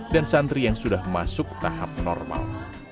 dan santri yang sudah masuk tahap normal